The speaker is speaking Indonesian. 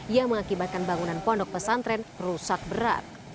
yang mengakibatkan bangunan pondok pesantren rusak berat